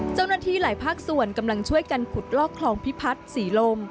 เจ้าหน้าที่หลายภาคส่วนกำลังช่วยกันขุดลอกคลองพิพัฒน์ศรีลม